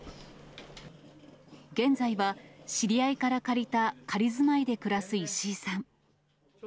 現在は、知り合いから借りた仮住まいで暮らす石井さん。